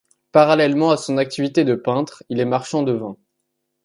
Parallèlement à son activité de peintre, il est marchand de vin.